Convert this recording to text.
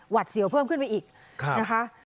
เสียวเพิ่มขึ้นไปอีกนะคะ